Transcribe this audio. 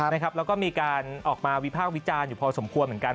แล้วก็มีการออกมาวิภาควิจารณ์อยู่พอสมควรเหมือนกัน